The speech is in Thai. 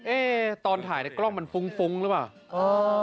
เอ๊ตอนถ่ายในกล้องมันฟุ้งฟุ้งเหลืออ่ะอือ